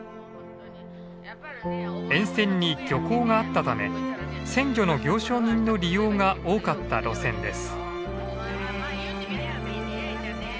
沿線に漁港があったため鮮魚の行商人の利用が多かった路線です。